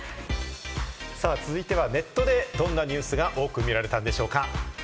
さぁ続いてはネットでどんなニュースが多く見られたんでしょうか？